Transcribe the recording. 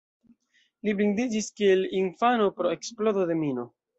Li blindiĝis kiel infano pro eksplodo de mino.